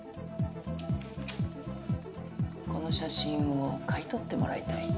この写真を買い取ってもらいたい。